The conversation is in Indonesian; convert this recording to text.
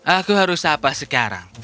aku harus apa sekarang